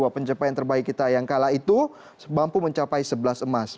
enam puluh dua pencapaian terbaik kita yang kalah itu mampu mencapai sebelas emas